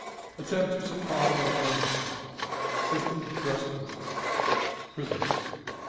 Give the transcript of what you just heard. Attempt to surprise our Army. System of Breastworks. Prisoners.